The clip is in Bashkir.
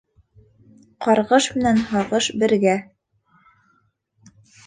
Ҡарғыш менән һағыш бергә.